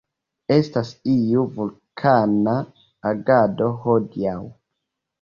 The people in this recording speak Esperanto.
Estas iu vulkana agado hodiaŭ.